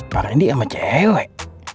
perendi sama cewek